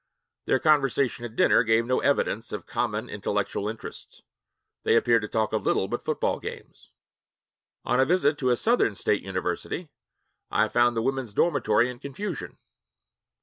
Their conversation at dinner gave no evidence of common intellectual interests. They appeared to talk of little but football games. On a visit to a Southern state university, I found the women's dormitory in confusion.